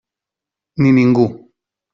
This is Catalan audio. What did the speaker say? Ni ningú.